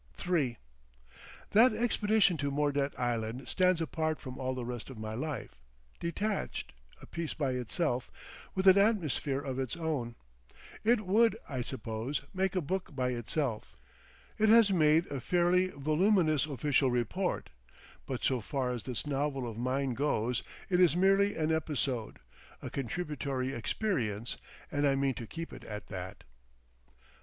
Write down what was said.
III That expedition to Mordet Island stands apart from all the rest of my life, detached, a piece by itself with an atmosphere of its own. It would, I suppose, make a book by itself—it has made a fairly voluminous official report—but so far as this novel of mine goes it is merely an episode, a contributory experience, and I mean to keep it at that.